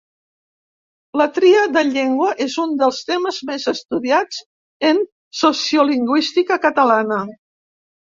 La "tria de llengua" és un dels temes més estudiats en sociolingüística catalana.